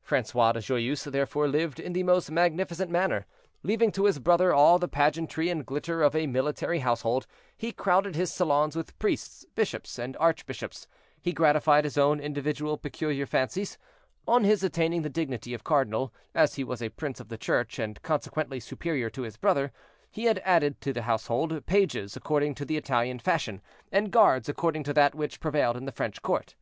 Francois de Joyeuse, therefore, lived in the most magnificent manner. Leaving to his brother all the pageantry and glitter of a military household, he crowded his salons with priests, bishops and archbishops; he gratified his own individual peculiar fancies. On his attaining the dignity of cardinal, as he was a prince of the church, and consequently superior to his brother, he had added to his household pages according to the Italian fashion, and guards according to that which prevailed at the French court.